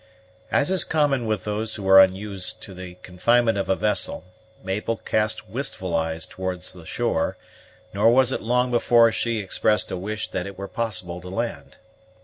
As is common with those who are unused to the confinement of a vessel, Mabel cast wistful eyes towards the shore; nor was it long before she expressed a wish that it were possible to land.